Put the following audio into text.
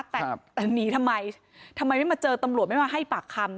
แต่หนีทำไมทำไมไม่มาเจอตำรวจไม่มาให้ปากคำ